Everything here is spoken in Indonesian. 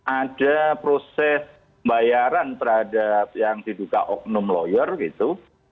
ada proses bayaran terhadap yang di duka oknum lawyer gitu